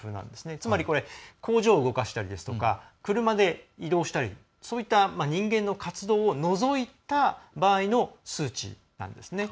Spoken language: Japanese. つまり工場を動かしたりですとか車で移動したりそういった人間の活動を除いた場合の数値なんですね。